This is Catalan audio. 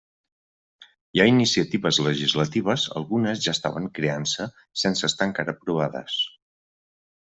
Hi ha iniciatives legislatives, algunes ja estaven creant-se sense estar encara aprovades.